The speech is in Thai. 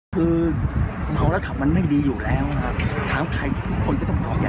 คือภาวระถับมันไม่ดีอยู่แล้วครับถามใครคนก็ต้องบอกอย่างงั้นนะครับ